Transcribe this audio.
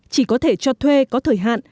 chỉ có thể cho thuê có thời hạn